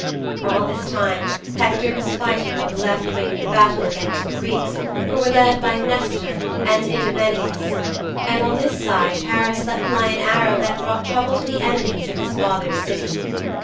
'All this time Hector was fighting on the left wing of the battle against the Greeks, who were led by Nestor and Idomeneus. And on this side Paris let fly an arrow that brought trouble to the enemies of his father's City.